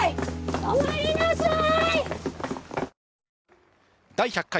止まりなさい！